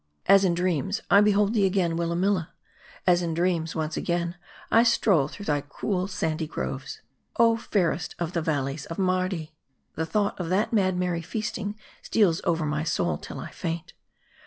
As in dreams I behold thee again, Willamiila ! as in dreams, once again I stroll through thy cool shady groves, oh fairest of the vallies of Mardi, ! the thought of that mad merry feasting steals over my soul till I faint.